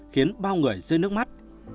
khiến bao người rơi nước mắt